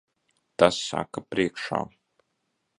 Tas saka priekšā.